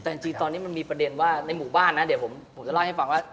แต่จริงตอนนี้มันมีประเด็นว่าในหมู่บ้านนะเดี๋ยวผมจะเล่าให้ฟังว่า